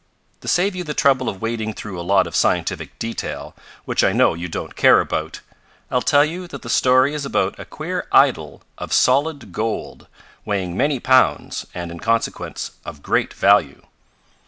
To save you the trouble of wading through a lot of scientific detail, which I know you don't care about, I'll tell you that the story is about a queer idol of solid gold, weighing many pounds, and, in consequence, of great value."